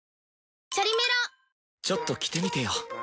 ちょっと着てみてよ！